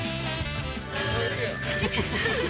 おいしい。